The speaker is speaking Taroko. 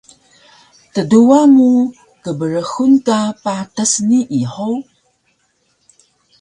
Tduwa mu kbrxun ka patas nii hug?